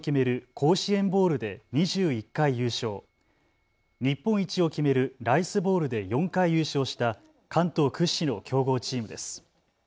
甲子園ボウルで２１回優勝、日本一を決めるライスボウルで４回優勝した関東屈指の強豪チームです。